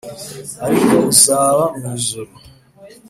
ariko uzaba mwijuru.